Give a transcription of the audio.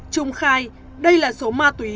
trung khai đây là số ma túy